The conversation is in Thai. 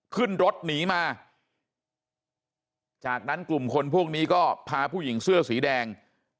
ขึ้นรถหนีมาจากนั้นกลุ่มคนพวกนี้ก็พาผู้หญิงเสื้อสีแดง